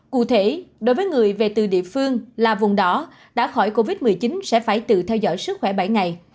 cụ thể đối với người về từ địa phương là vùng đỏ đã khỏi covid một mươi chín sẽ phải tự theo dõi sức khỏe bảy ngày